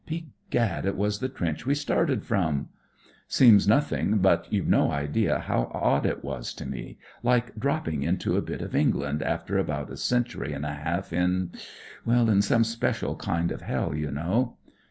Begad, it was the trench we started from !Seems nothing, but you've no idea how odd it was to me ; like di'opping into a bit of England, after about a century and a half in— in some special kind of hell, you know.